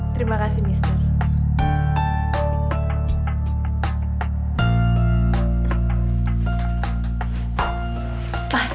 terima kasih mister